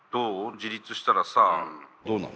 自立したらさどうなの？